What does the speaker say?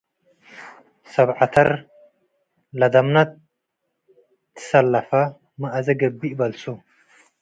ሰብ ዐተር ለደምነ ትሰለፈ መአዜ ገብእ በልሶ